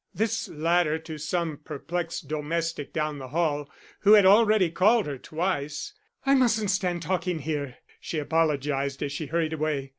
This latter to some perplexed domestic down the hall, who had already called her twice. "I mustn't stand talking here," she apologized as she hurried away.